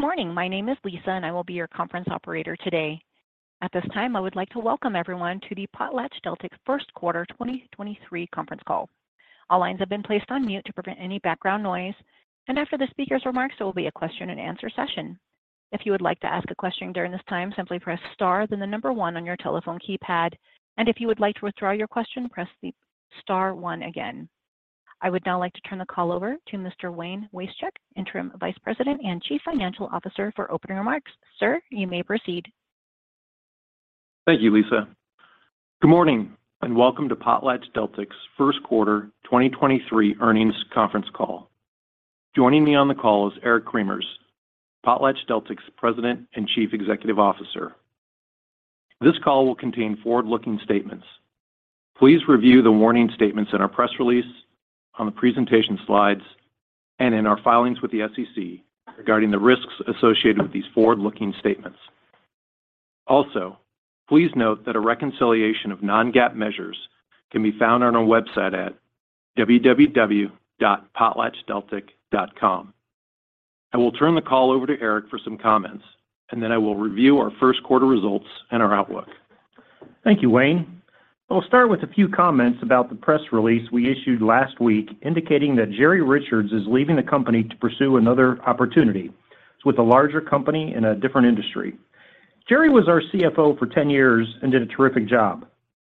Good morning. My name is Lisa, I will be your conference operator today. At this time, I would like to welcome everyone to the PotlatchDeltic First Quarter 2023 Conference Call. All lines have been placed on mute to prevent any background noise, and after the speaker's remarks, there will be a question-and-answer session. If you would like to ask a question during this time, simply press star then the one on your telephone keypad. If you would like to withdraw your question, press the star one again. I would now like to turn the call over to Mr. Wayne Wasechek, Interim Vice President and Chief Financial Officer, for opening remarks. Sir, you may proceed. Thank you, Lisa. Good morning, welcome to PotlatchDeltic's first quarter 2023 earnings conference call. Joining me on the call is Eric Cremers, PotlatchDeltic's President and Chief Executive Officer. This call will contain forward-looking statements. Please review the warning statements in our press release, on the presentation slides, and in our filings with the SEC regarding the risks associated with these forward-looking statements. Please note that a reconciliation of non-GAAP measures can be found on our website at www.potlatchdeltic.com. I will turn the call over to Eric for some comments, then I will review our first quarter results and our outlook. Thank you, Wayne. I'll start with a few comments about the press release we issued last week indicating that Jerry Richards is leaving the company to pursue another opportunity with a larger company in a different industry. Jerry was our CFO for 10 years and did a terrific job.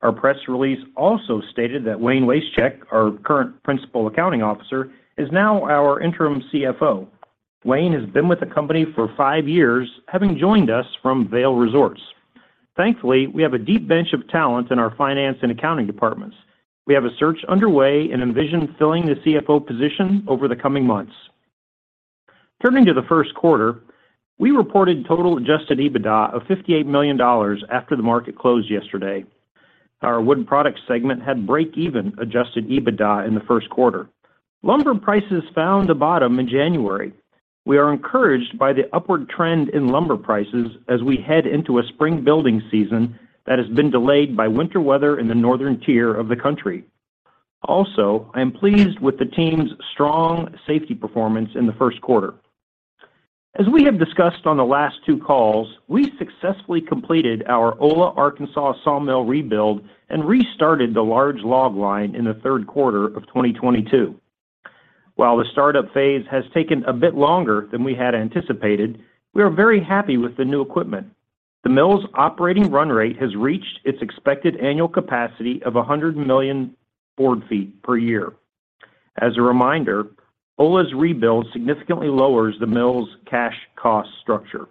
Our press release also stated that Wayne Wasechek, our current Principal Accounting Officer, is now our interim CFO. Wayne has been with the company for five years, having joined us from Vail Resorts. Thankfully, we have a deep bench of talent in our finance and accounting departments. We have a search underway and envision filling the CFO position over the coming months. Turning to the first quarter, we reported total adjusted EBITDA of $58 million after the market closed yesterday. Our wood products segment had break-even adjusted EBITDA in the first quarter. Lumber prices found a bottom in January. We are encouraged by the upward trend in lumber prices as we head into a spring building season that has been delayed by winter weather in the northern tier of the country. I am pleased with the team's strong safety performance in the first quarter. As we have discussed on the last two calls, we successfully completed our Ola, Arkansas sawmill rebuild and restarted the large log line in the third quarter of 2022. While the startup phase has taken a bit longer than we had anticipated, we are very happy with the new equipment. The mill's operating run rate has reached its expected annual capacity of 100 million board feet per year. As a reminder, Ola's rebuild significantly lowers the mill's cash cost structure.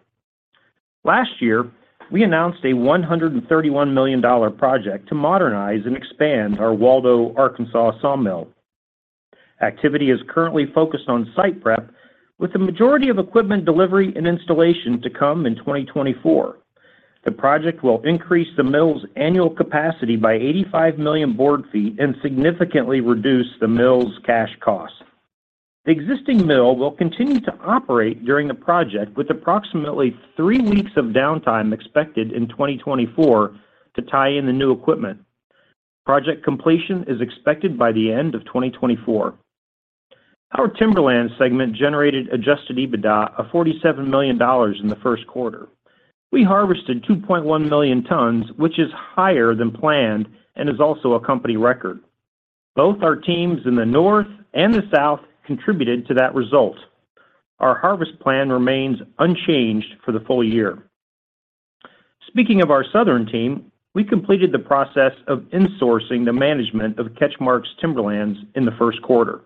Last year, we announced a $131 million project to modernize and expand our Waldo, Arkansas sawmill. Activity is currently focused on site prep, with the majority of equipment delivery and installation to come in 2024. The project will increase the mill's annual capacity by 85 million board feet and significantly reduce the mill's cash cost. The existing mill will continue to operate during the project, with approximately three weeks of downtime expected in 2024 to tie in the new equipment. Project completion is expected by the end of 2024. Our timberland segment generated adjusted EBITDA of $47 million in the first quarter. We harvested 2.1 million tons, which is higher than planned and is also a company record. Both our teams in the North and the South contributed to that result. Our harvest plan remains unchanged for the full-year. Speaking of our southern team, we completed the process of insourcing the management of CatchMark's Timberlands in the first quarter.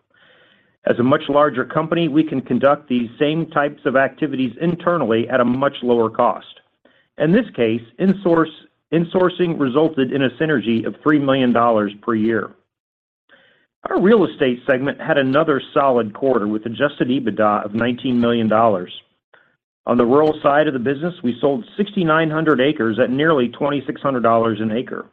As a much larger company, we can conduct these same types of activities internally at a much lower cost. In this case, insourcing resulted in a synergy of $3 million per year. Our real estate segment had another solid quarter with adjusted EBITDA of $19 million. On the rural side of the business, we sold 6,900 acres at nearly $2,600 an acre.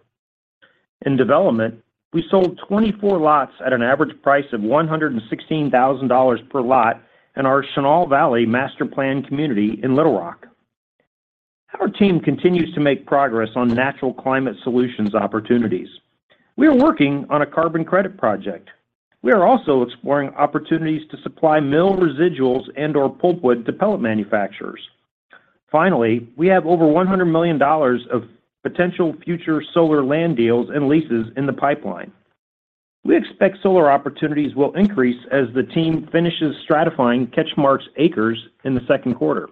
In development, we sold 24 lots at an average price of $116,000 per lot in our Chenal Valley master-planned community in Little Rock. Our team continues to make progress on natural climate solutions opportunities. We are working on a carbon credit project. We are also exploring opportunities to supply mill residuals and or pulpwood to pellet manufacturers. Finally, we have over $100 million of potential future solar land deals and leases in the pipeline. We expect solar opportunities will increase as the team finishes stratifying CatchMark's acres in the second quarter.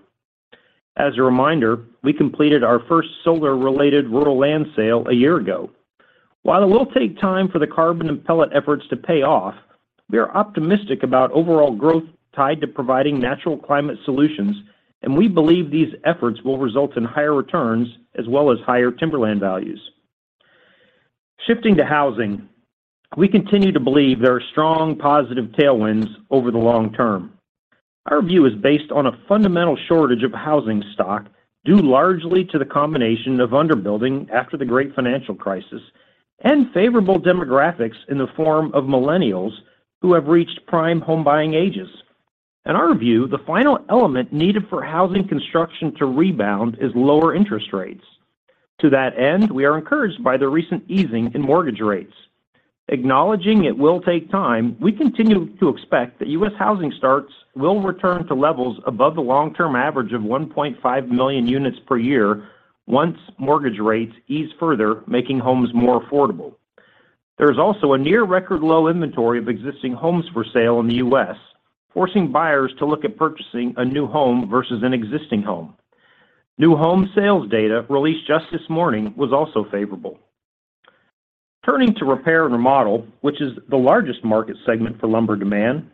As a reminder, we completed our first solar-related rural land sale a year ago. While it will take time for the carbon and pellet efforts to pay off, we are optimistic about overall growth tied to providing natural climate solutions, and we believe these efforts will result in higher returns as well as higher timberland values. Shifting to housing, we continue to believe there are strong positive tailwinds over the long-term. Our view is based on a fundamental shortage of housing stock, due largely to the combination of under-building after the great financial crisis and favorable demographics in the form of millennials who have reached prime home buying ages. In our view, the final element needed for housing construction to rebound is lower interest rates. To that end, we are encouraged by the recent easing in mortgage rates. Acknowledging it will take time, we continue to expect that U.S. housing starts will return to levels above the long-term average of 1.5 million units per year once mortgage rates ease further, making homes more affordable. There is also a near record low inventory of existing homes for sale in the U.S., forcing buyers to look at purchasing a new home versus an existing home. New home sales data released just this morning was also favorable. Turning to repair and remodel, which is the largest market segment for lumber demand,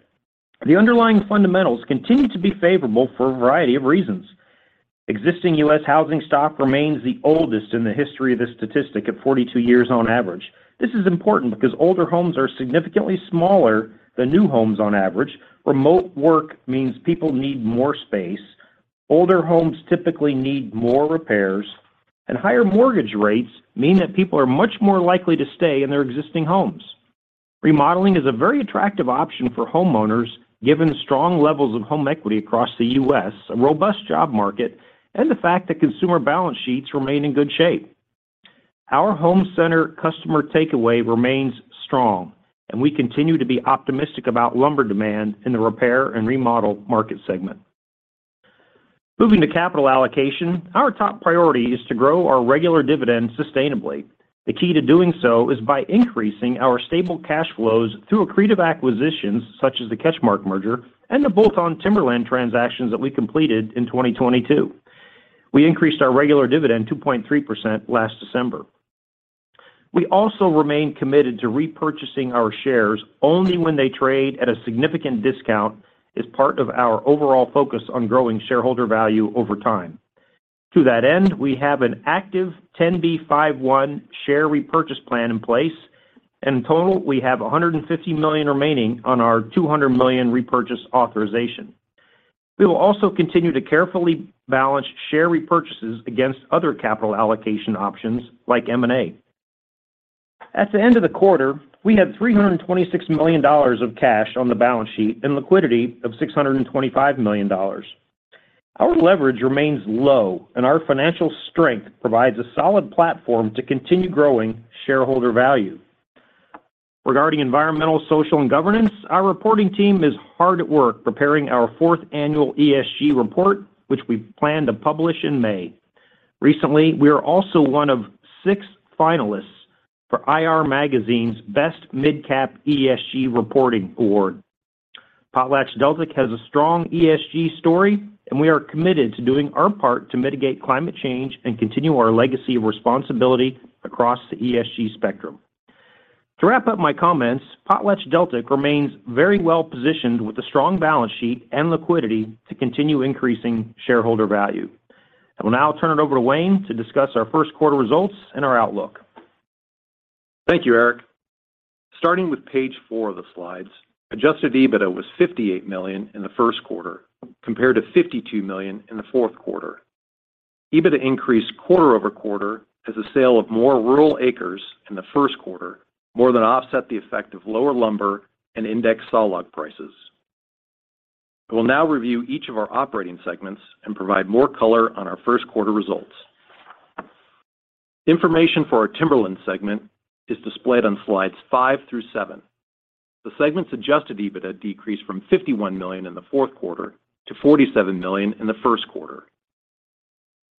the underlying fundamentals continue to be favorable for a variety of reasons. Existing U.S. housing stock remains the oldest in the history of this statistic at 42 years on average. This is important because older homes are significantly smaller than new homes on average. Remote work means people need more space. Older homes typically need more repairs, and higher mortgage rates mean that people are much more likely to stay in their existing homes. Remodeling is a very attractive option for homeowners, given the strong levels of home equity across the U.S., a robust job market, and the fact that consumer balance sheets remain in good shape. Our home center customer takeaway remains strong, and we continue to be optimistic about lumber demand in the repair and remodel market segment. Moving to capital allocation, our top priority is to grow our regular dividend sustainably. The key to doing so is by increasing our stable cash flows through accretive acquisitions such as the CatchMark merger and the bolt-on timberland transactions that we completed in 2022. We increased our regular dividend 2.3% last December. We remain committed to repurchasing our shares only when they trade at a significant discount as part of our overall focus on growing shareholder value over time. To that end, we have an active 10b5-1 share repurchase plan in place, in total, we have $150 million remaining on our $200 million repurchase authorization. We will continue to carefully balance share repurchases against other capital allocation options like M&A. At the end of the quarter, we had $326 million of cash on the balance sheet and liquidity of $625 million. Our leverage remains low and our financial strength provides a solid platform to continue growing shareholder value. Regarding environmental, social, and governance, our reporting team is hard at work preparing our fourth annual ESG report, which we plan to publish in May. Recently, we are also one of six finalists for IR Magazine's Best ESG reporting (small to mid-cap) Award. PotlatchDeltic has a strong ESG story, and we are committed to doing our part to mitigate climate change and continue our legacy of responsibility across the ESG spectrum. To wrap up my comments, PotlatchDeltic remains very well-positioned with a strong balance sheet and liquidity to continue increasing shareholder value. I will now turn it over to Wayne to discuss our first quarter results and our outlook. Thank you, Eric. Starting with page four of the slides, adjusted EBITDA was $58 million in the first quarter compared to $52 million in the fourth quarter. EBITDA increased quarter-over-quarter as the sale of more rural acres in the first quarter more than offset the effect of lower lumber and index sawlog prices. I will now review each of our operating segments and provide more color on our first quarter results. Information for our timberland segment is displayed on slides five through seven. The segment's adjusted EBITDA decreased from $51 million in the fourth quarter to $47 million in the first quarter.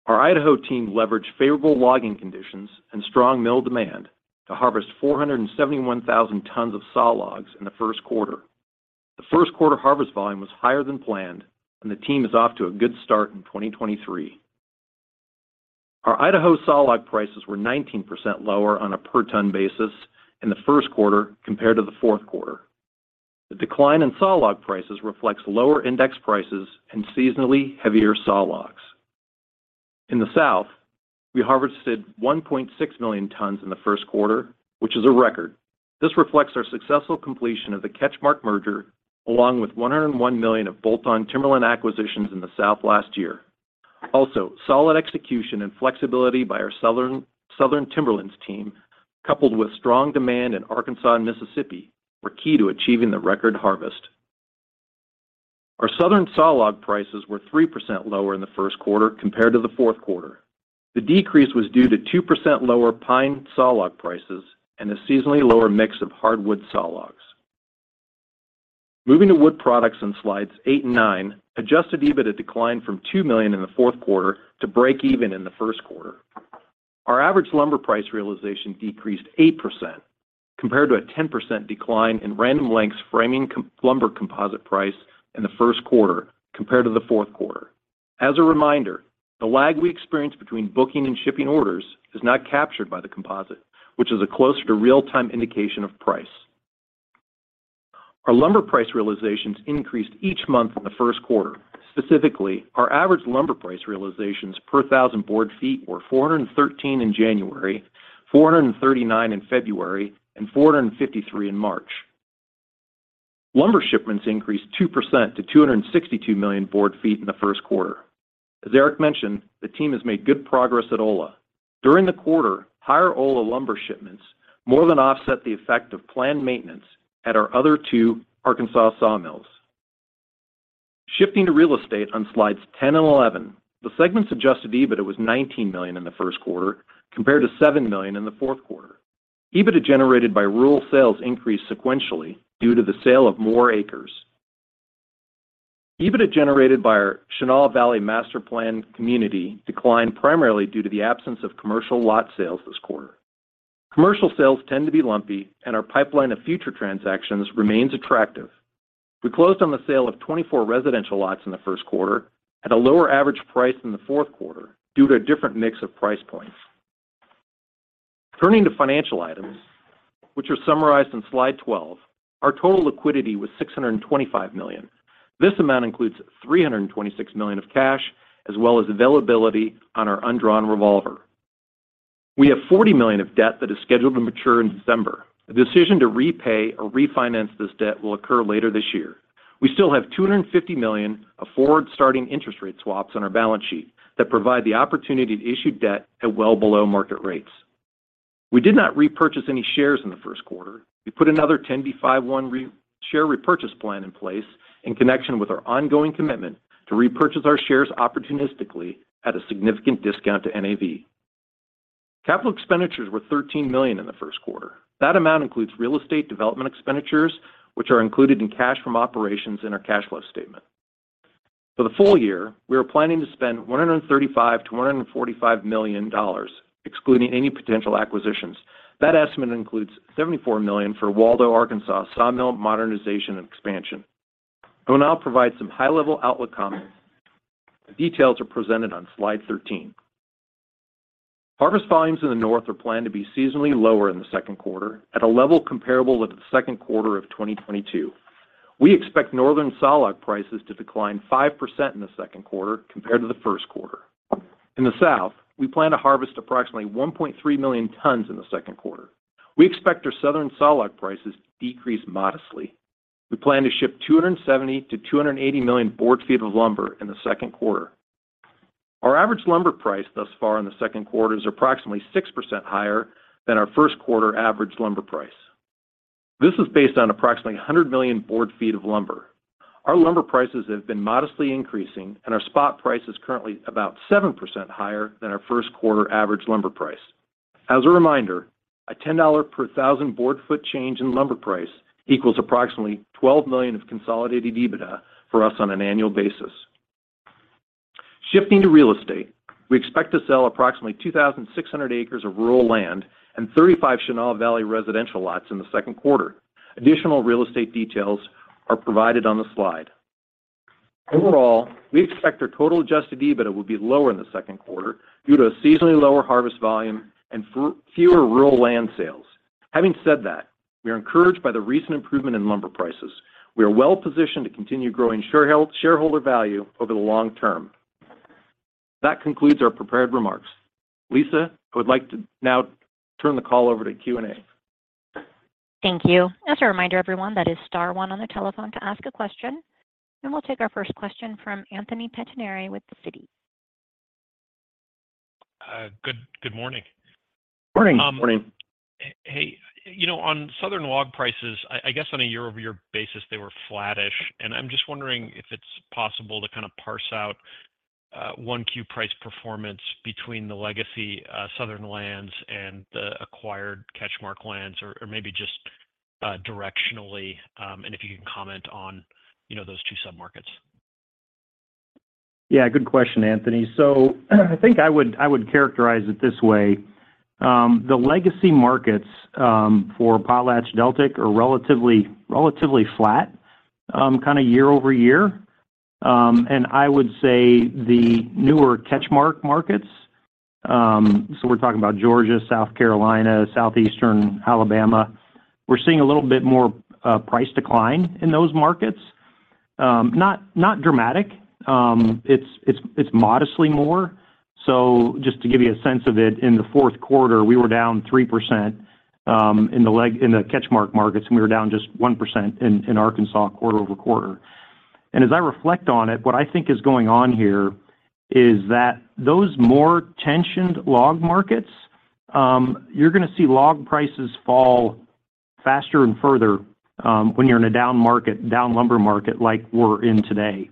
Our Idaho team leveraged favorable logging conditions and strong mill demand to harvest 471,000 tons of sawlogs in the first quarter. The first quarter harvest volume was higher than planned and the team is off to a good start in 2023. Our Idaho sawlog prices were 19% lower on a per ton basis in the first quarter compared to the fourth quarter. The decline in sawlog prices reflects lower index prices and seasonally heavier sawlogs. In the South, we harvested 1.6 million tons in the first quarter, which is a record. This reflects our successful completion of the CatchMark merger, along with $101 million of bolt-on timberland acquisitions in the South last year. Solid execution and flexibility by our Southern Timberlands team, coupled with strong demand in Arkansas and Mississippi, were key to achieving the record harvest. Our Southern sawlog prices were 3% lower in the first quarter compared to the fourth quarter. The decrease was due to 2% lower pine sawlog prices and a seasonally lower mix of hardwood sawlogs. Moving to wood products in slides eight and nine, adjusted EBITDA declined from $2 million in the fourth quarter to break even in the first quarter. Our average lumber price realization decreased 8% compared to a 10% decline in Random Lengths Framing Lumber Composite Price in the first quarter compared to the fourth quarter. As a reminder, the lag we experience between booking and shipping orders is not captured by the composite, which is a closer to real-time indication of price. Our lumber price realizations increased each month in the first quarter. Specifically, our average lumber price realizations per 1000 board feet were 413 in January, 439 in February, and 453 in March. Lumber shipments increased 2% to 262 million board feet in the first quarter. As Eric mentioned, the team has made good progress at Ola. During the quarter, higher Ola lumber shipments more than offset the effect of planned maintenance at our other two Arkansas sawmills. Shifting to real estate on slides 10 and 11, the segment's adjusted EBIT was $19 million in the first quarter compared to $7 million in the fourth quarter. EBIT generated by rural sales increased sequentially due to the sale of more acres. EBIT generated by our Chenal Valley master plan community declined primarily due to the absence of commercial lot sales this quarter. Commercial sales tend to be lumpy, and our pipeline of future transactions remains attractive. We closed on the sale of 24 residential lots in the first quarter at a lower average price than the fourth quarter due to a different mix of price points. Turning to financial items, which are summarized on slide 12, our total liquidity was $625 million. This amount includes $326 million of cash as well as availability on our undrawn revolver. We have $40 million of debt that is scheduled to mature in December. The decision to repay or refinance this debt will occur later this year. We still have $250 million of forward-starting interest rate swaps on our balance sheet that provide the opportunity to issue debt at well below market rates. We did not repurchase any shares in the first quarter. We put another 10b5-1 re-share repurchase plan in place in connection with our ongoing commitment to repurchase our shares opportunistically at a significant discount to NAV. Capital expenditures were $13 million in the first quarter. That amount includes real estate development expenditures, which are included in cash from operations in our cash flow statement. For the full-year, we are planning to spend $135 million-$145 million, excluding any potential acquisitions. That estimate includes $74 million for Waldo, Arkansas sawmill modernization and expansion. I will now provide some high-level outlook comments. The details are presented on slide 13. Harvest volumes in the North are planned to be seasonally lower in the second quarter at a level comparable with the second quarter of 2022. We expect Northern sawlog prices to decline 5% in the second quarter compared to the first quarter. In the South, we plan to harvest approximately 1.3 million tons in the second quarter. We expect our Southern sawlog prices to decrease modestly. We plan to ship 270-280 million board feet of lumber in the second quarter. Our average lumber price thus far in the second quarter is approximately 6% higher than our first quarter average lumber price. This is based on approximately 100 million board feet of lumber. Our lumber prices have been modestly increasing, and our spot price is currently about 7% higher than our first quarter average lumber price. As a reminder, a $10 per 1,000 board foot change in lumber price equals approximately $12 million of consolidated EBITDA for us on an annual basis. Shifting to real estate, we expect to sell approximately 2,600 acres of rural land and 35 Chenal Valley residential lots in the second quarter. Additional real estate details are provided on the slide. Overall, we expect our total adjusted EBITDA will be lower in the second quarter due to a seasonally lower harvest volume and fewer rural land sales. We are encouraged by the recent improvement in lumber prices. We are well-positioned to continue growing shareholder value over the long-term. That concludes our prepared remarks. Lisa, I would like to now turn the call over to Q&A. Thank you. As a reminder, everyone, that is star one on the telephone to ask a question. We'll take our first question from Anthony Pettinari with Citi. Good morning. Morning. Um- Morning. Hey, you know, on southern log prices, I guess on a year-over-year basis, they were flattish, and I'm just wondering if it's possible to kind of parse out 1Q price performance between the legacy southern lands and the acquired CatchMark lands or maybe just directionally, and if you can comment on, you know, those two sub-markets? Yeah, good question, Anthony. I think I would characterize it this way. The legacy markets for PotlatchDeltic are relatively flat year-over-year. I would say the newer CatchMark markets, so we're talking about Georgia, South Carolina, Southeastern Alabama, we're seeing a little bit more price decline in those markets. Not dramatic. It's modestly more. Just to give you a sense of it, in the fourth quarter, we were down 3% in the CatchMark markets, and we were down just 1% in Arkansas quarter-over-quarter. As I reflect on it, what I think is going on here is that those more tensioned log markets, you're gonna see log prices fall faster and further, when you're in a down market, down lumber market like we're in today.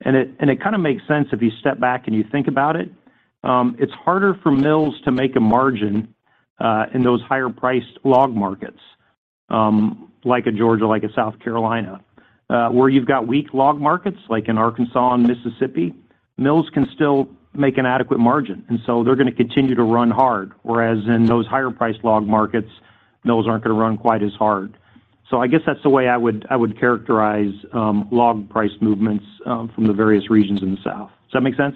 It kinda makes sense if you step back and you think about it. It's harder for mills to make a margin in those higher-priced log markets, like a Georgia, like a South Carolina. Where you've got weak log markets like in Arkansas and Mississippi, mills can still make an adequate margin, and so they're gonna continue to run hard, whereas in those higher-priced log markets, mills aren't gonna run quite as hard. I guess that's the way I would, I would characterize log price movements from the various regions in the South. Does that make sense?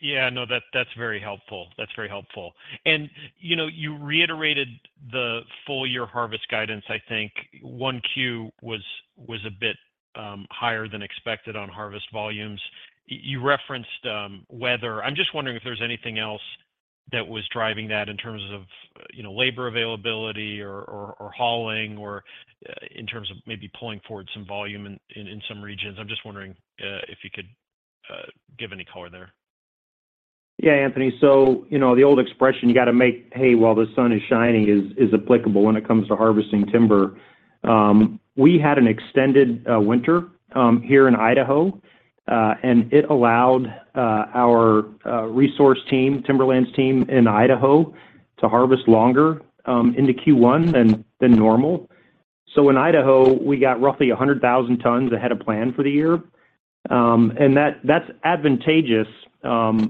Yeah. No, that's very helpful. That's very helpful. You know, you reiterated the full-year harvest guidance, I think 1Q was a bit higher than expected on harvest volumes. You referenced weather. I'm just wondering if there's anything else that was driving that in terms of, you know, labor availability or hauling or in terms of maybe pulling forward some volume in some regions. I'm just wondering if you could give any color there. Yeah, Anthony. you know the old expression, "You gotta make hay while the sun is shining," is applicable when it comes to harvesting timber. We had an extended winter here in Idaho, and it allowed our resource team, Timberlands team in Idaho to harvest longer into Q1 than normal. In Idaho, we got roughly 100,000 tons ahead of plan for the year. That's advantageous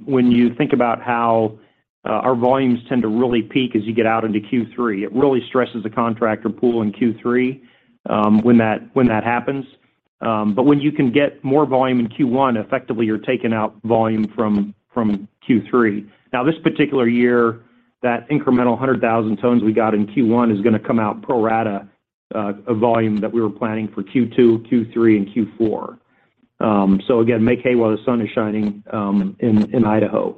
when you think about how our volumes tend to really peak as you get out into Q3. It really stresses the contractor pool in Q3 when that happens. When you can get more volume in Q1, effectively you're taking out volume from Q3. This particular year, that incremental 100,000 tons we got in Q1 is gonna come out pro rata, a volume that we were planning for Q2, Q3, and Q4. Again, make hay while the sun is shining, in Idaho.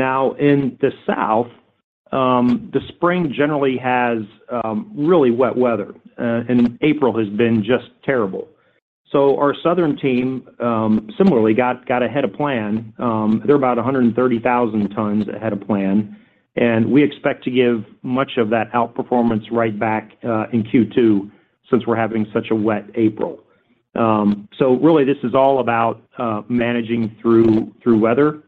In the South, the spring generally has really wet weather, and April has been just terrible. Our southern team similarly got ahead of plan. They're about 130,000 tons ahead of plan, and we expect to give much of that outperformance right back in Q2 since we're having such a wet April. Really this is all about managing through weather,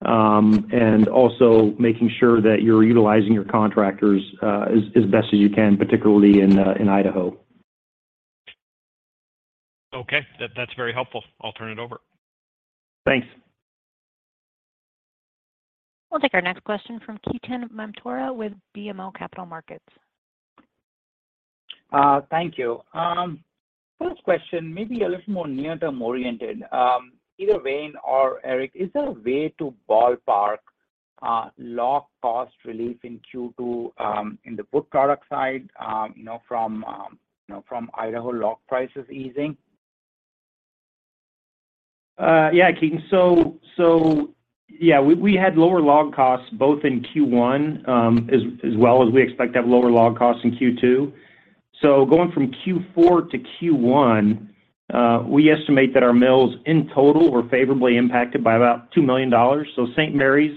and also making sure that you're utilizing your contractors as best as you can, particularly in Idaho. Okay. That's very helpful. I'll turn it over. Thanks. We'll take our next question from Ketan Mamtora with BMO Capital Markets. Thank you. First question, maybe a little more near-term oriented. Either Wayne or Eric, is there a way to ballpark log cost relief in Q2, in the book product side, you know, from, you know, from Idaho log prices easing? Yeah, Ketan. Yeah, we had lower log costs both in Q1, as well as we expect to have lower log costs in Q2. Going from Q4 to Q1, we estimate that our mills in total were favorably impacted by about $2 million. St. Maries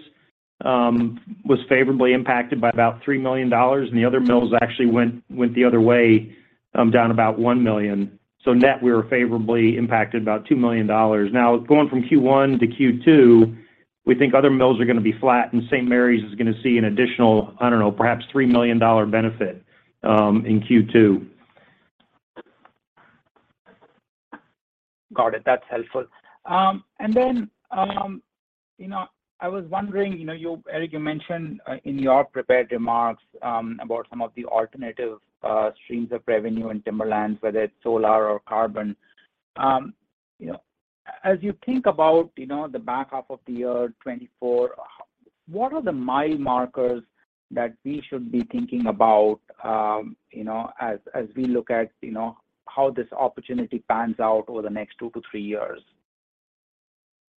was favorably impacted by about $3 million, and the other mills actually went the other way, down about $1 million. Net, we were favorably impacted about $2 million. Going from Q1 to Q2, we think other mills are gonna be flat, and St. Maries is gonna see an additional, I don't know, perhaps $3 million benefit in Q2. Got it. That's helpful. Then, you know, I was wondering, you know, Eric, you mentioned in your prepared remarks about some of the alternative streams of revenue in Timberlands, whether it's solar or carbon. you know, as you think about, you know, the back half of the year 2024, what are the mile markers that we should be thinking about, you know, as we look at, you know, how this opportunity pans out over the next two to three years?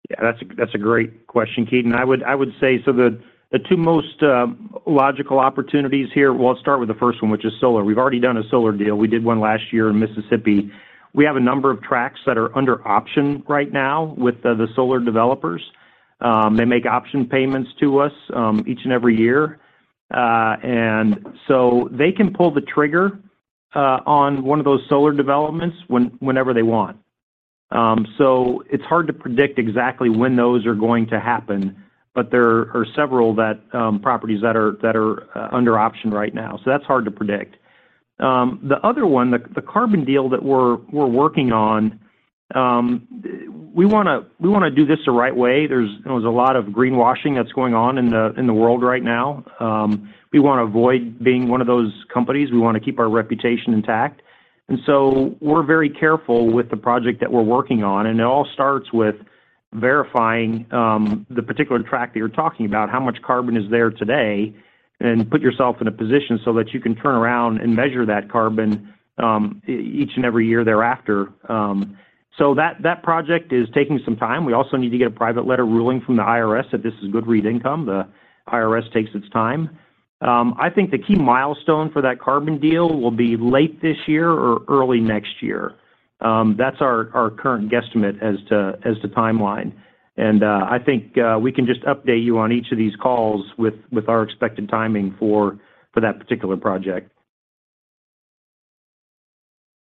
Yeah, that's a great question, Ketan. I would say so the two most logical opportunities here. Well, let's start with the first one, which is solar. We've already done a solar deal. We did one last year in Mississippi. We have a number of tracks that are under option right now with the solar developers. They make option payments to us each and every year. They can pull the trigger on one of those solar developments whenever they want. It's hard to predict exactly when those are going to happen, but there are several that properties that are under option right now, so that's hard to predict. The other one, the carbon deal that we're working on, we wanna do this the right way. There's, you know, there's a lot of greenwashing that's going on in the, in the world right now. We wanna avoid being one of those companies. We wanna keep our reputation intact. We're very careful with the project that we're working on. It all starts with verifying the particular track that you're talking about, how much carbon is there today, and put yourself in a position so that you can turn around and measure that carbon each and every year thereafter. That project is taking some time. We also need to get a private letter ruling from the IRS that this is good REIT income. The IRS takes its time. I think the key milestone for that carbon deal will be late this year or early next year. That's our current guesstimate as to timeline. I think, we can just update you on each of these calls with our expected timing for that particular project.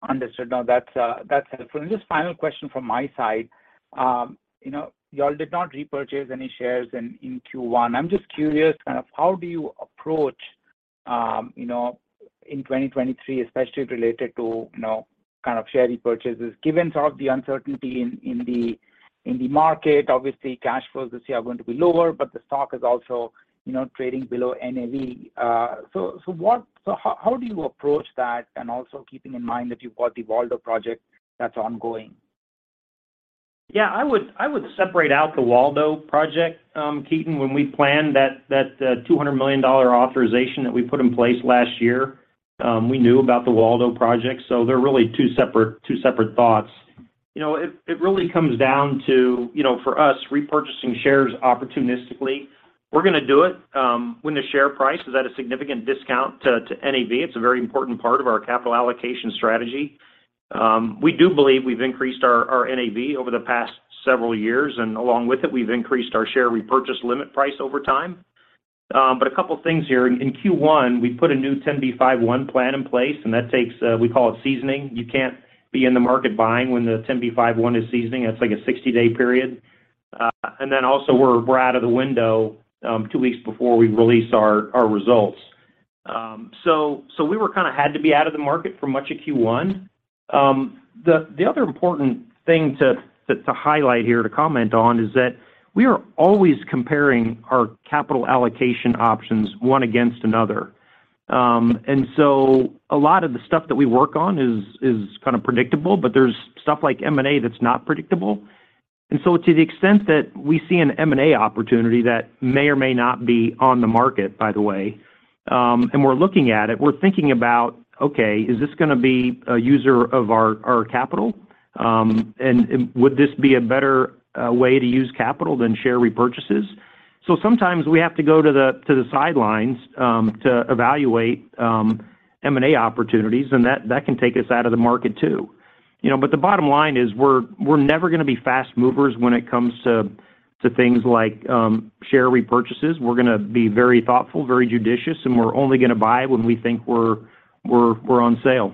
Understood. No, that's helpful. Just final question from my side. You know, y'all did not repurchase any shares in Q1. I'm just curious kind of how do you approach, you know, in 2023, especially related to, you know, kind of share repurchases given sort of the uncertainty in the market. Obviously, cash flows this year are going to be lower, but the stock is also, you know, trading below NAV. So how do you approach that, and also keeping in mind that you've got the Waldo project that's ongoing? Yeah. I would separate out the Waldo project, Ketan. When we planned that $200 million authorization that we put in place last year, we knew about the Waldo project, they're really two separate thoughts. You know, it really comes down to, you know, for us, repurchasing shares opportunistically. We're gonna do it when the share price is at a significant discount to NAV. It's a very important part of our capital allocation strategy. We do believe we've increased our NAV over the past several years, and along with it, we've increased our share repurchase limit price over time. A couple things here. In Q1, we put a new 10b5-1 plan in place, that takes, we call it seasoning. You can't be in the market buying when the 10b5-1 is seasoning. It's like a 60-day period. Then also we're out of the window, two weeks before we release our results. We were kinda had to be out of the market for much of Q1. The other important thing to highlight here, to comment on, is that we are always comparing our capital allocation options one against another. A lot of the stuff that we work on is kind of predictable, but there's stuff like M&A that's not predictable. To the extent that we see an M&A opportunity that may or may not be on the market, by the way, and we're looking at it, we're thinking about, okay, is this gonna be a user of our capital? Would this be a better way to use capital than share repurchases? Sometimes we have to go to the sidelines to evaluate M&A opportunities, and that can take us out of the market too. You know, the bottom line is we're never gonna be fast movers when it comes to things like share repurchases. We're gonna be very thoughtful, very judicious, and we're only gonna buy when we think we're on sale.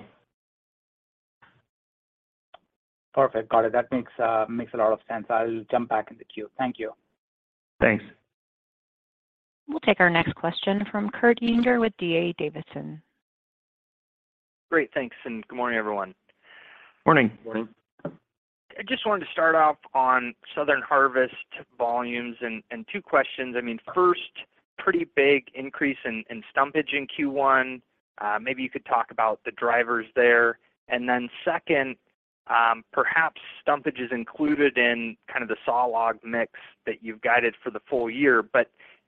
Perfect. Got it. That makes a lot of sense. I'll jump back in the queue. Thank you. Thanks. We'll take our next question from Kurt Yinger with D.A. Davidson. Great. Thanks, and good morning, everyone. Morning. Morning. I just wanted to start off on Southern Harvest volumes and two questions. I mean, first, pretty big increase in frontage in Q1. Maybe you could talk about the drivers there. Second, perhaps frontage is included in kind of the sawlog mix that you've guided for the full-year.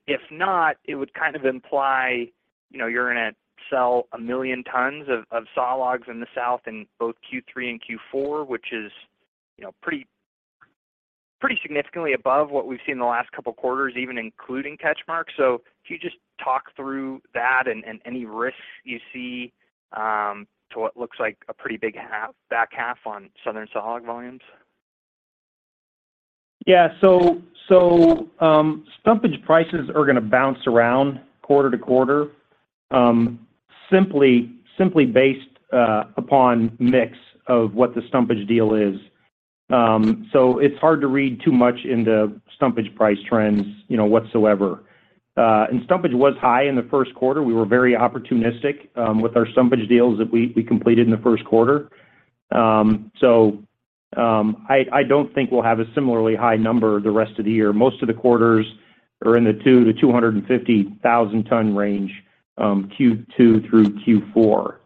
If not, it would kind of imply, you know, you're gonna sell 1 million tons of sawlogs in the south in both Q3 and Q4, which is, you know, pretty significantly above what we've seen in the last couple quarters, even including CatchMark. Can you just talk through that and any risks you see to what looks like a pretty big half, back half on Southern sawlog volumes? Yeah. Frontage prices are gonna bounce around quarter to quarter, simply based upon mix of what the frontage deal is. It's hard to read too much in the frontage price trends, you know, whatsoever. Frontage was high in the first quarter. We were very opportunistic with our frontage deals that we completed in the first quarter. I don't think we'll have a similarly high number the rest of the year. Most of the quarters are in the 2 ton-250,000 ton range, Q2 through Q4.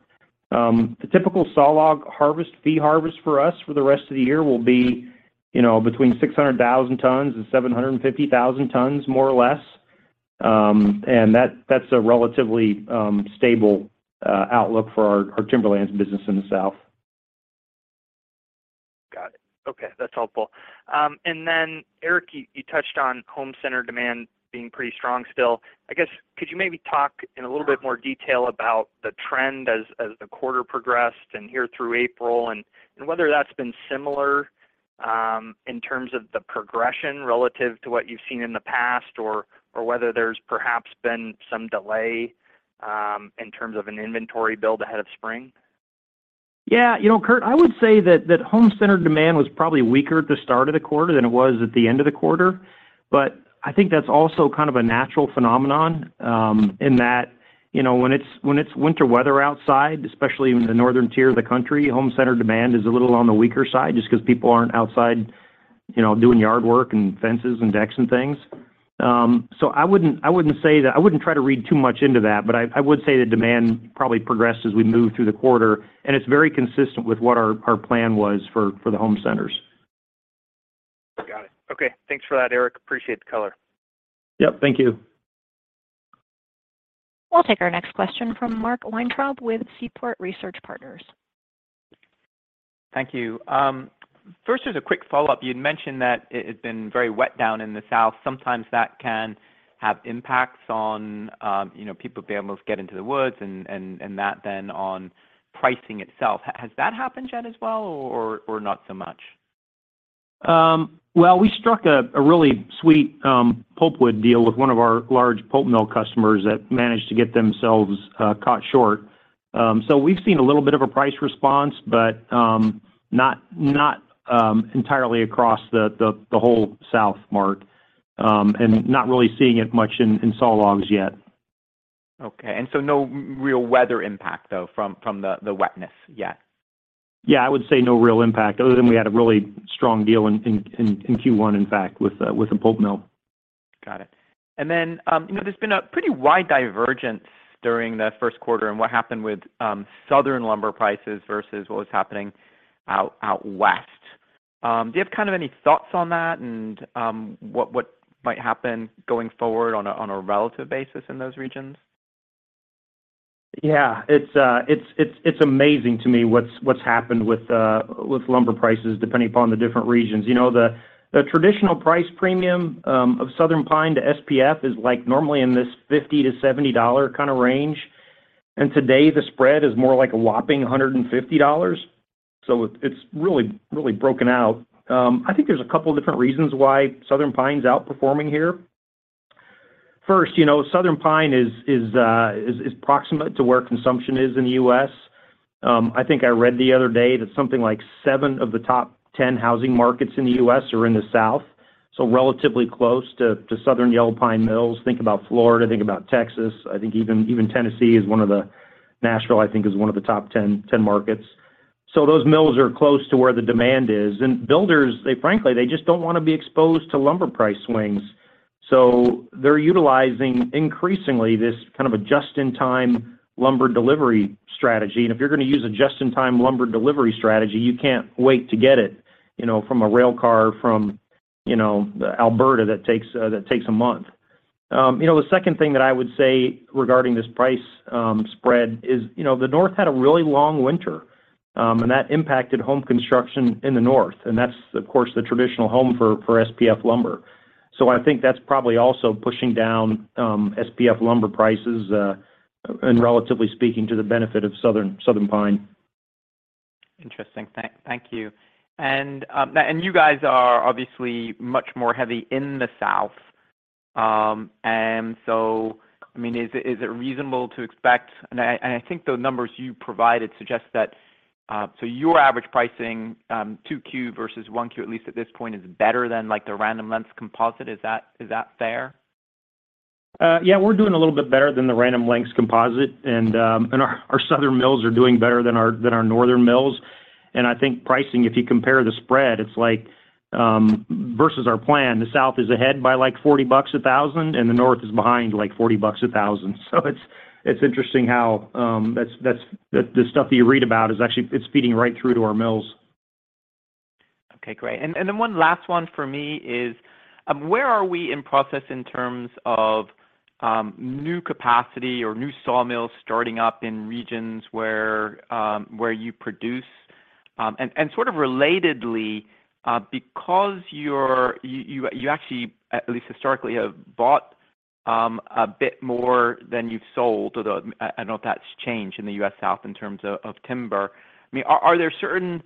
The typical sawlog harvest, fee harvest for us for the rest of the year will be, you know, between 600,000 tons and 750,000 tons, more or less. That's a relatively, stable, outlook for our Timberlands business in the South. Got it. Okay. That's helpful. Eric, you touched on home center demand being pretty strong still. I guess could you maybe talk in a little bit more detail about the trend as the quarter progressed and here through April, and whether that's been similar in terms of the progression relative to what you've seen in the past or whether there's perhaps been some delay in terms of an inventory build ahead of spring? Yeah. You know, Kurt, I would say that home center demand was probably weaker at the start of the quarter than it was at the end of the quarter. I think that's also kind of a natural phenomenon, in that, you know, when it's, when it's winter weather outside, especially in the northern tier of the country, home center demand is a little on the weaker side just 'cause people aren't outside, you know, doing yard work and fences and decks and things. I wouldn't try to read too much into that, but I would say the demand probably progressed as we moved through the quarter, and it's very consistent with what our plan was for the home centers. Got it. Okay. Thanks for that, Eric. Appreciate the color. Yep. Thank you. We'll take our next question from Mark Weintraub with Seaport Research Partners. Thank you. First just a quick follow-up. You'd mentioned that it had been very wet down in the South. Sometimes that can have impacts on, you know, people being able to get into the woods and that then on pricing itself. Has that happened yet as well or, or not so much? Well, we struck a really sweet pulpwood deal with one of our large pulp mill customers that managed to get themselves caught short. We've seen a little bit of a price response, but not entirely across the whole South, Mark. Not really seeing it much in sawlogs yet. Okay. No real weather impact though from the wetness yet? Yeah, I would say no real impact other than we had a really strong deal in Q1, in fact, with a pulp mill. Got it. Then, you know, there's been a pretty wide divergence during the first quarter and what happened with southern lumber prices versus what was happening out West. Do you have kind of any thoughts on that and, what might happen going forward on a, on a relative basis in those regions? Yeah. It's amazing to me what's happened with lumber prices depending upon the different regions. You know, the traditional price premium of southern pine to SPF is like normally in this $50-$70 kind of range. Today the spread is more like a whopping $150. It's really broken out. I think there's a couple different reasons why southern pine's outperforming here. First, you know, southern pine is proximate to where consumption is in the U.S. I think I read the other day that something like seven of the top 10 housing markets in the U.S. are in the South, so relatively close to Southern Yellow Pine mills. Think about Florida, think about Texas. I think even Tennessee is one of the Nashville, I think, is one of the top 10 markets. Those mills are close to where the demand is, and builders, they frankly, they just don't wanna be exposed to lumber price swings. They're utilizing increasingly this kind of a just-in-time lumber delivery strategy, and if you're gonna use a just-in-time lumber delivery strategy, you can't wait to get it, you know, from a rail car from, you know, Alberta that takes that takes a month. You know, the second thing that I would say regarding this price spread is, you know, the North had a really long winter, and that impacted home construction in the North, and that's of course the traditional home for SPF lumber. I think that's probably also pushing down SPF lumber prices, and relatively speaking to the benefit of southern pine. Interesting. Thank you. You guys are obviously much more heavy in the South. I mean, is it reasonable to expect? I think the numbers you provided suggest that, so your average pricing, 2Q versus 1Q, at least at this point, is better than like the Random Lengths composite. Is that fair? Yeah, we're doing a little bit better than the Random Lengths Composite and our southern mills are doing better than our northern mills. I think pricing, if you compare the spread, it's like versus our plan, the South is ahead by like $40 a 1000 and the North is behind like $40 a 1000. It's interesting how the stuff that you read about is actually feeding right through to our mills. Okay, great. Then one last one for me is, where are we in process in terms of new capacity or new sawmills starting up in regions where you produce? Sort of relatedly, because you actually at least historically have bought a bit more than you've sold, although I don't know if that's changed in the US South in terms of timber. I mean, are there certain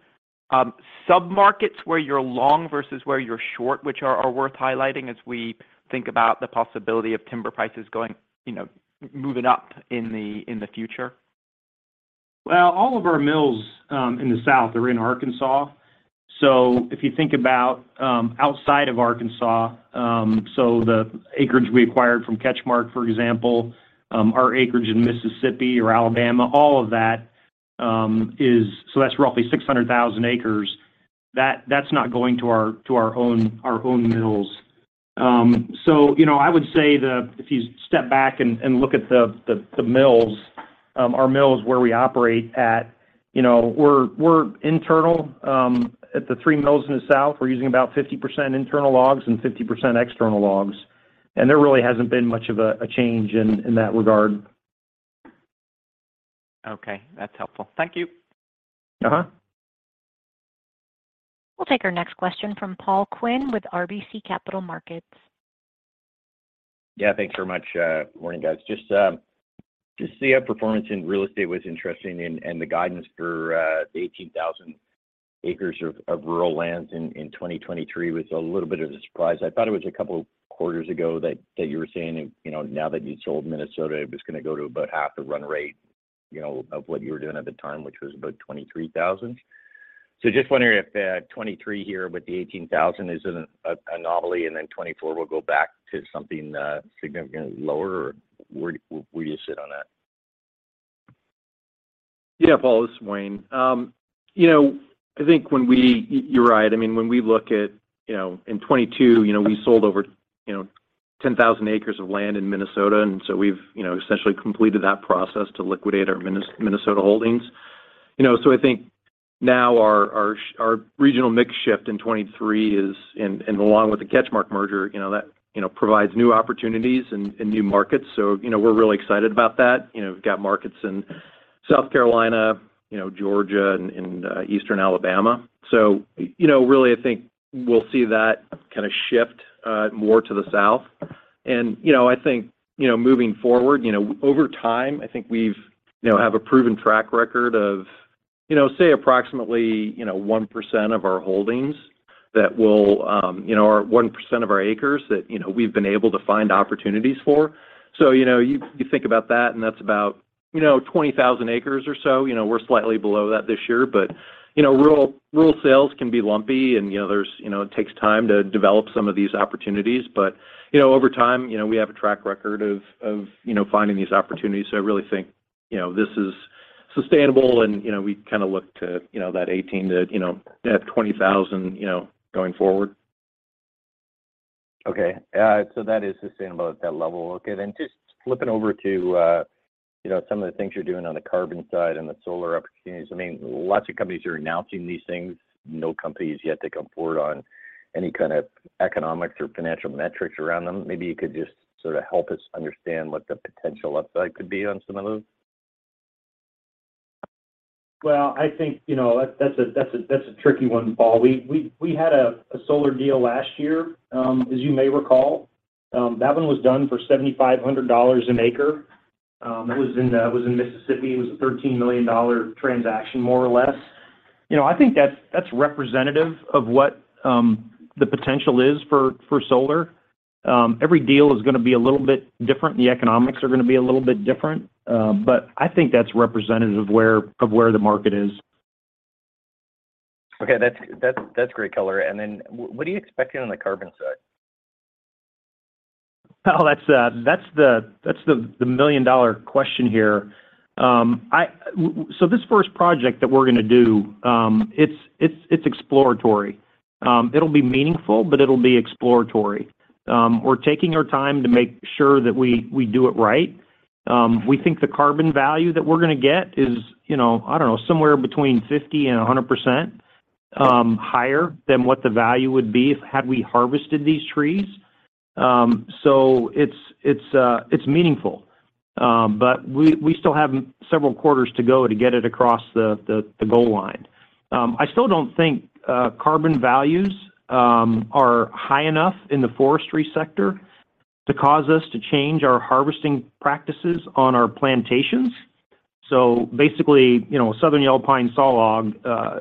sub-markets where you're long versus where you're short, which are worth highlighting as we think about the possibility of timber prices going, you know, moving up in the future? All of our mills in the South are in Arkansas. If you think about outside of Arkansas, the acreage we acquired from CatchMark, for example, our acreage in Mississippi or Alabama, all of that is. That's roughly 600,000 acres, that's not going to our own mills. You know, I would say if you step back and look at the mills, our mills where we operate, you know, we're internal. At the three mills in the South, we're using about 50% internal logs and 50% external logs, and there really hasn't been much of a change in that regard. Okay, that's helpful. Thank you. Uh-huh. We'll take our next question from Paul Quinn with RBC Capital Markets. Thanks very much. Good morning, guys. Just to see how performance in real estate was interesting and the guidance for 18,000 acres of rural lands in 2023 was a little bit of a surprise. I thought it was a couple quarters ago that you were saying that, you know, now that you sold Minnesota, it was gonna go to about half the run rate, you know, of what you were doing at the time, which was about 23,000. Just wondering if 23 here with the 18,000 is a novelty and then 24 will go back to something significantly lower, or where do you sit on that? Yeah, Paul, this is Wayne. You know, you're right. I mean, when we look at, you know, in 2022, you know, we sold over, you know, 10,000 acres of land in Minnesota, and so we've, you know, essentially completed that process to liquidate our Minnesota holdings. You know, I think now our regional mix shift in 2023 is, and along with the CatchMark merger, you know, that, you know, provides new opportunities and new markets. You know, we're really excited about that. You know, we've got markets in South Carolina, you know, Georgia and, eastern Alabama. You know, really, I think we'll see that kind of shift more to the South. You know, I think, you know, moving forward, you know, over time, I think we've, you know, have a proven track record of, you know, say approximately, you know, 1% of our holdings that will, you know, or 1% of our acres that, you know, we've been able to find opportunities for. You know, you think about that and that's about, you know, 20,000 acres or so. You know, we're slightly below that this year but, you know, rural sales can be lumpy and, you know, there's, you know, it takes time to develop some of these opportunities. You know, over time, you know, we have a track record of, you know, finding these opportunities, so I really think, you know, this is sustainable and, you know, we kinda look to, you know, that 18 to, you know, that 20,000, you know, going forward. Okay. That is sustainable at that level. Okay. Just flipping over to, you know, some of the things you're doing on the carbon side and the solar opportunities. I mean, lots of companies are announcing these things. No company has yet to come forward on any kind of economics or financial metrics around them. Maybe you could just sort of help us understand what the potential upside could be on some of those. Well, I think, you know, that's a tricky one, Paul. We had a solar deal last year, as you may recall. That one was done for $7,500 an acre. It was in Mississippi. It was a $13 million transaction, more or less. You know, I think that's representative of what the potential is for solar. Every deal is gonna be a little bit different. The economics are gonna be a little bit different. I think that's representative of where the market is. Okay. That's great color. What are you expecting on the carbon side? Paul, that's the million-dollar question here. So this first project that we're gonna do, it's exploratory. It'll be meaningful, but it'll be exploratory. We're taking our time to make sure that we do it right. We think the carbon value that we're gonna get is, you know, I don't know, somewhere between 50% and 100% higher than what the value would be had we harvested these trees. So it's meaningful. But we still have several quarters to go to get it across the goal line. I still don't think carbon values are high enough in the forestry sector to cause us to change our harvesting practices on our plantations. Basically, you know, Southern Yellow Pine sawlog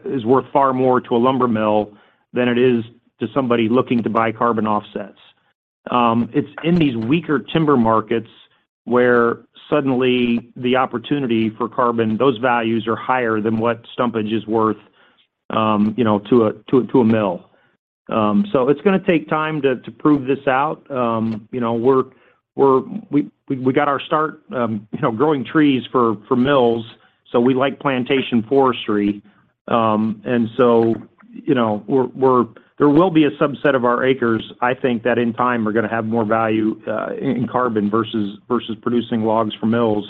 is worth far more to a lumber mill than it is to somebody looking to buy carbon offsets. It's in these weaker timber markets where suddenly the opportunity for carbon, those values are higher than what stumpage is worth, you know, to a mill. It's gonna take time to prove this out. You know, we got our start, you know, growing trees for mills, so we like plantation forestry. You know, there will be a subset of our acres, I think, that in time are gonna have more value in carbon versus producing logs for mills.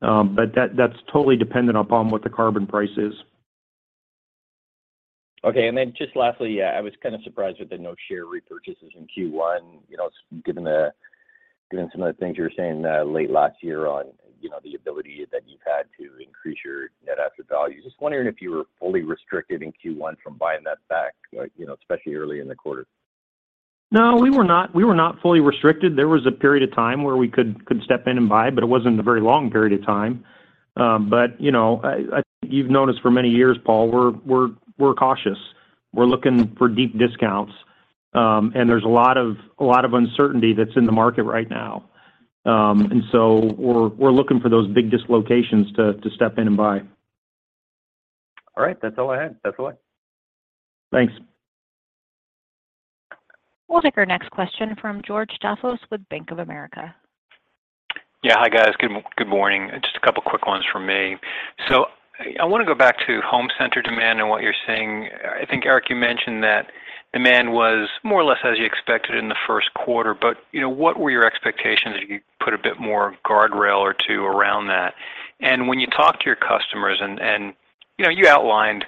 That's totally dependent upon what the carbon price is. Okay. Just lastly, yeah, I was kind of surprised with the no share repurchases in Q1, you know, given some of the things you were saying late last year on, you know, the ability that you've had to increase your net asset value. Just wondering if you were fully restricted in Q1 from buying that back, like, you know, especially early in the quarter? We were not fully restricted. There was a period of time where we could step in and buy, but it wasn't a very long period of time. You know, I think you've known us for many years, Paul. We're cautious. We're looking for deep discounts. There's a lot of uncertainty that's in the market right now. We're looking for those big dislocations to step in and buy. All right. That's all I had. That's all I... Thanks. We'll take our next question from George Staphos with Bank of America. Yeah. Hi, guys. Good morning. Just a couple quick ones from me. I wanna go back to home center demand and what you're seeing. I think, Eric, you mentioned that demand was more or less as you expected in the first quarter, but, you know, what were your expectations if you put a bit more guardrail or two around that? When you talk to your customers and, you know, you outlined,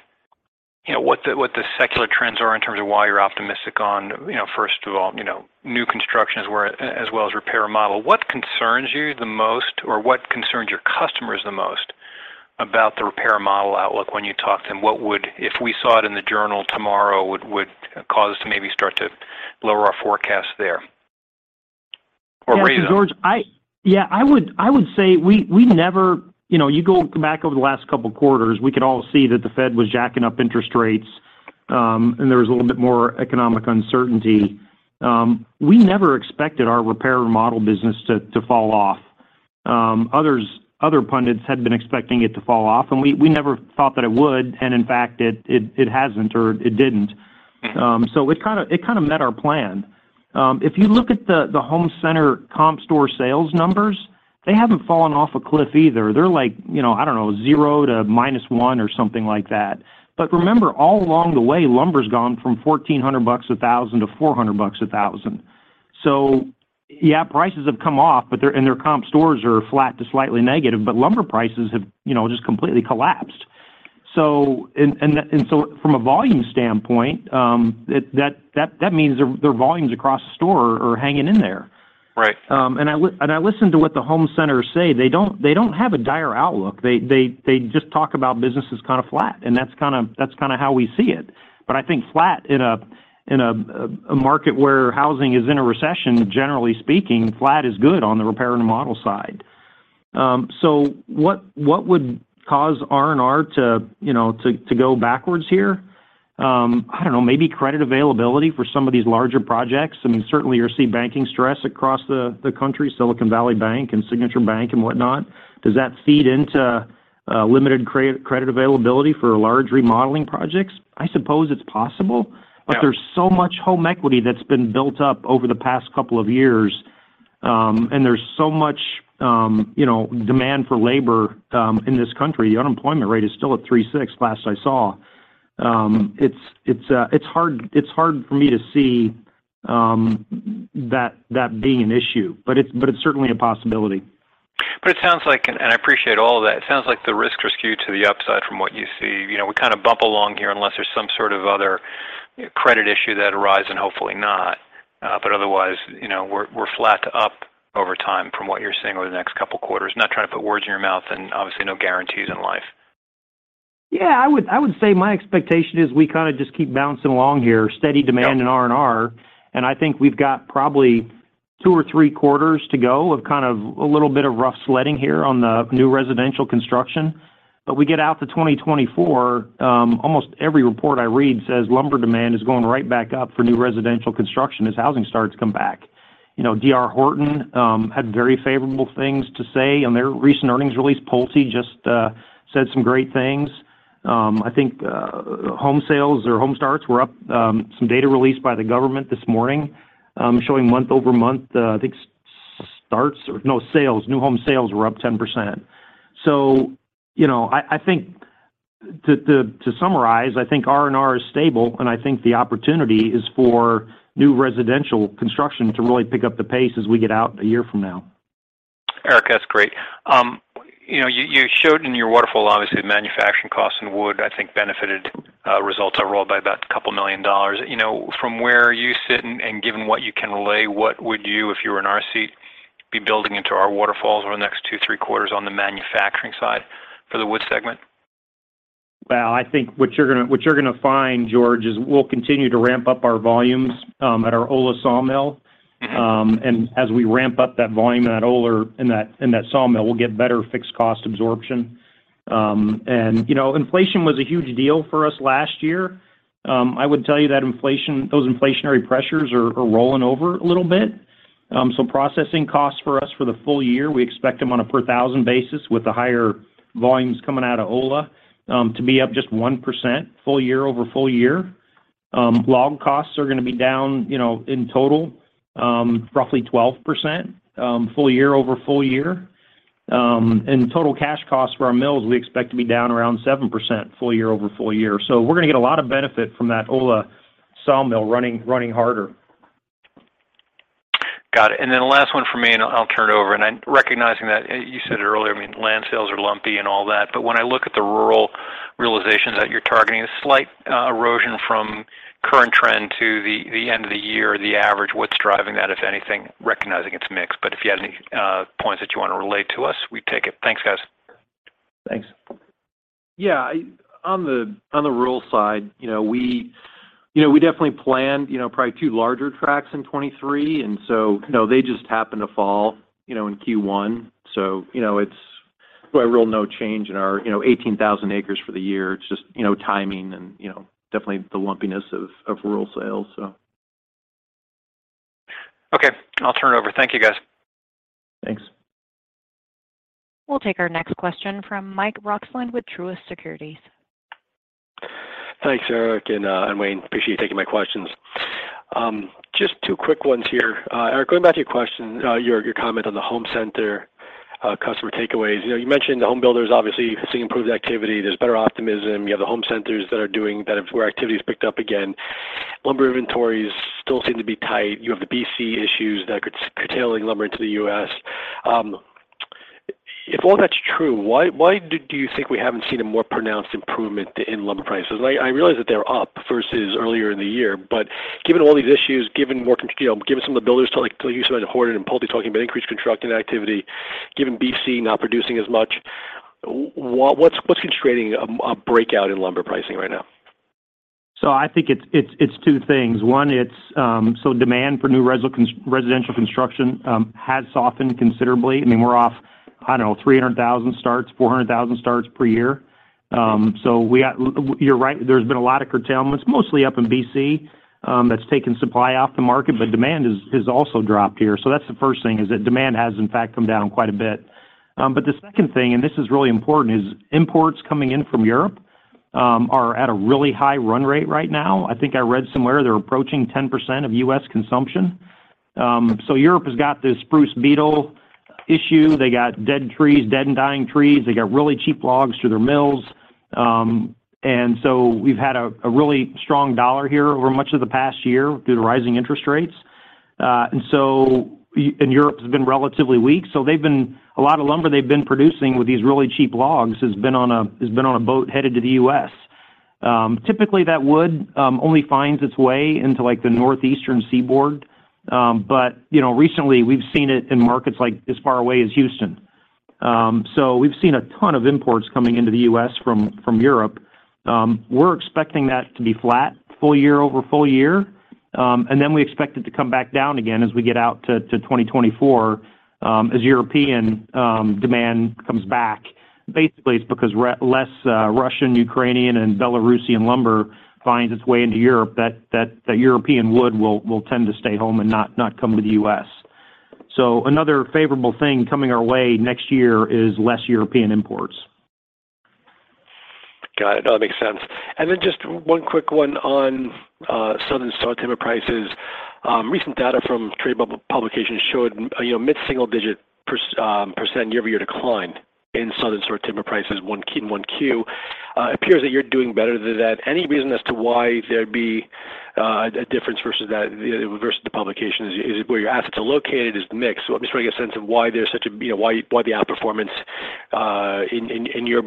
you know, what the, what the secular trends are in terms of why you're optimistic on, you know, first of all, you know, new construction as well as repair model. What concerns you the most, or what concerns your customers the most about the repair model outlook when you talk to them? What would... If we saw it in the journal tomorrow, would cause us to maybe start to lower our forecast there or raise them? Yeah. George, I would say we never. You know, you go back over the last couple quarters, we could all see that the Fed was jacking up interest rates, and there was a little bit more economic uncertainty. We never expected our repair and remodel business to fall off. Other pundits had been expecting it to fall off, and we never thought that it would, and in fact, it hasn't or it didn't. Mm-hmm. It kinda met our plan. If you look at the home center comp store sales numbers, they haven't fallen off a cliff either. They're like, you know, I don't know, 0 to -1 or something like that. Remember, all along the way, lumber's gone from $1,400 a 1000 to $400 a 1000. Yeah, prices have come off, but their comp stores are flat to slightly negative, but lumber prices have, you know, just completely collapsed. From a volume standpoint, that means their volumes across the store are hanging in there. Right. I listen to what the home centers say. They don't, they don't have a dire outlook. They just talk about business is kinda flat, that's kinda how we see it. I think flat in a market where housing is in a recession, generally speaking, flat is good on the repair and remodel side. What would cause R&R to, you know, to go backwards here? I don't know, maybe credit availability for some of these larger projects. I mean, certainly you see banking stress across the country, Silicon Valley Bank and Signature Bank and whatnot. Does that feed into limited credit availability for large remodeling projects? I suppose it's possible. Yeah. There's so much home equity that's been built up over the past couple of years, and there's so much, you know, demand for labor in this country. The unemployment rate is still at 3.6% last I saw. It's hard for me to see that being an issue, but it's certainly a possibility. It sounds like, and I appreciate all that. It sounds like the risks are skewed to the upside from what you see. You know, we kind of bump along here unless there's some sort of other credit issue that arise, and hopefully not. Otherwise, you know, we're flat to up over time from what you're seeing over the next couple quarters. Not trying to put words in your mouth, obviously no guarantees in life. Yeah, I would say my expectation is we kinda just keep bouncing along here, steady demand in R&R. I think we've got probably two or three quarters to go of kind of a little bit of rough sledding here on the new residential construction. We get out to 2024, almost every report I read says lumber demand is going right back up for new residential construction as housing starts to come back. You know, D.R. Horton had very favorable things to say on their recent earnings release. PulteGroup just said some great things. I think home sales or home starts were up. Some data released by the government this morning, showing month-over-month, I think starts or no sales, new home sales were up 10%. You know, I think to summarize, I think R&R is stable, and I think the opportunity is for new residential construction to really pick up the pace as we get out a year from now. Eric, that's great. You know, you showed in your waterfall obviously the manufacturing cost in wood, I think benefited results overall by about $2 million. You know, from where you sit and given what you can relay, what would you, if you were in our seat, be building into our waterfalls over the next two, three quarters on the manufacturing side for the wood segment? Well, I think what you're gonna, what you're gonna find, George, is we'll continue to ramp up our volumes at our Ola sawmill. As we ramp up that volume in that Ola sawmill, we'll get better fixed cost absorption. You know, inflation was a huge deal for us last year. I would tell you that inflation, those inflationary pressures are rolling over a little bit. Processing costs for us for the full-year, we expect them on a per 1000 basis with the higher volumes coming out of Ola, to be up just 1% full-year-over-full-year. Log costs are gonna be down, you know, in total, roughly 12% full-year-over-full-year. Total cash costs for our mills, we expect to be down around 7% full-year over full-year. We're gonna get a lot of benefit from that Ola sawmill running harder. Got it. Last one from me, and I'll turn it over. I'm recognizing that you said it earlier, I mean, land sales are lumpy and all that, but when I look at the rural realizations that you're targeting, a slight erosion from current trend to the end of the year, the average, what's driving that, if anything, recognizing it's mix? If you had any points that you wanna relay to us, we'd take it. Thanks, guys. Thanks. Yeah. On the, on the rural side, you know, we, you know, we definitely planned, you know, probably two larger tracks in 2023. They just happened to fall, you know, in Q1. It's by real no change in our, you know, 18,000 acres for the year. It's just, you know, timing and, you know, definitely the lumpiness of rural sales. Okay. I'll turn it over. Thank you, guys. Thanks. We'll take our next question from Michael Roxland with Truist Securities. Thanks, Eric and Wayne. Appreciate you taking my questions. Just two quick ones here. Eric, going back to your question, your comment on the home center customer takeaways. You know, you mentioned the home builders obviously seeing improved activity. There's better optimism. You have the home centers that are doing better, where activity has picked up again. Lumber inventories still seem to be tight. You have the BC issues that are curtailing lumber into the U.S. If all that's true, why do you think we haven't seen a more pronounced improvement in lumber prices? I realize that they're up versus earlier in the year, but given all these issues, given more con-- you know, given some of the builders, to like to use about D.R. Horton and PulteGroup talking about increased construction activity, given BC not producing as much, what's constraining a breakout in lumber pricing right now? I think it's two things. One, it's, demand for new residential construction has softened considerably. I mean, we're off, I don't know, 300,000 starts, 400,000 starts per year. You're right, there's been a lot of curtailments, mostly up in BC, that's taken supply off the market, but demand has also dropped here. That's the first thing is that demand has in fact come down quite a bit. But the second thing, and this is really important, is imports coming in from Europe are at a really high run rate right now. I think I read somewhere they're approaching 10% of U.S. consumption. Europe has got this spruce beetle issue. They got dead trees, dead and dying trees. They got really cheap logs through their mills. We've had a really strong dollar here over much of the past year due to rising interest rates. Europe has been relatively weak, so they've been a lot of lumber they've been producing with these really cheap logs has been on a boat headed to the U.S. Typically, that wood only finds its way into, like, the Northeastern Seaboard. You know, recently we've seen it in markets, like, as far away as Houston. We've seen a ton of imports coming into the U.S. from Europe. We're expecting that to be flat year-over-full-year. Then we expect it to come back down again as we get out to 2024, as European demand comes back. Basically, it's because less Russian, Ukrainian, and Belarusian lumber finds its way into Europe that European wood will tend to stay home and not come to the U.S. Another favorable thing coming our way next year is less European imports. Got it. No, that makes sense. Just one quick one on Southern saw timber prices. Recent data from trade publications showed, you know, mid-single-digit % year-over-year decline in Southern saw timber prices in 1 Q. Appears that you're doing better than that. Any reason as to why there'd be a difference versus that, versus the publications? Is it where your assets are located? Is it the mix? I'm just trying to get a sense of why there's such a, you know, why the outperformance in your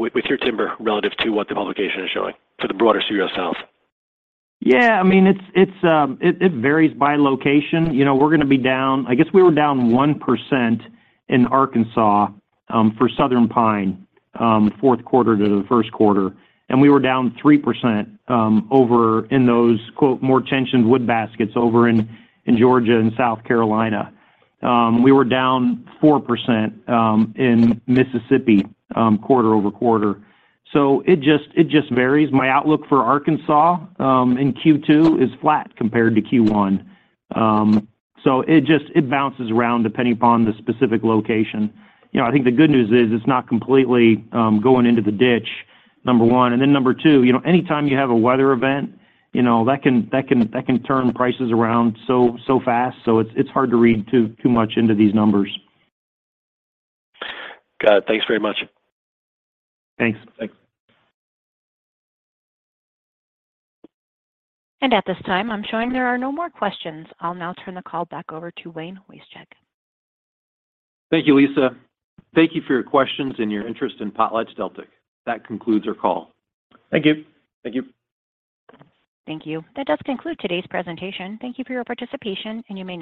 with your timber relative to what the publication is showing for the broader U.S. yourself. Yeah. I mean, it's, it varies by location. You know, we're gonna be down. I guess we were down 1% in Arkansas for Southern Yellow Pine, fourth quarter to the first quarter. We were down 3% over in those, quote, "more tensioned wood baskets" over in Georgia and South Carolina. We were down 4% in Mississippi quarter-over-quarter. It just varies. My outlook for Arkansas in Q2 is flat compared to Q1. It just bounces around depending upon the specific location. You know, I think the good news is it's not completely going into the ditch, number one. Then number two, you know, anytime you have a weather event, you know, that can turn prices around so fast. It's hard to read too much into these numbers. Got it. Thanks very much. Thanks. Thanks. At this time, I'm showing there are no more questions. I'll now turn the call back over to Wayne Wasechek. Thank you, Lisa. Thank you for your questions and your interest in PotlatchDeltic. That concludes our call. Thank you. Thank you. Thank you. That does conclude today's presentation. Thank you for your participation, and you may